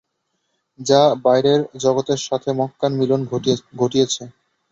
যা বাইরের জগতের সাথে মক্কার মিলন ঘটিয়েছে।